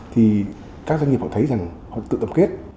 thì các doanh nghiệp họ thấy rằng họ tự tập kết